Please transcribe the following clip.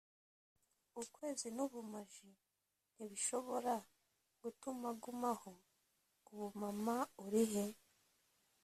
ukwezi nubumaji ntibishobora gutuma agumaho, ubu mama, urihe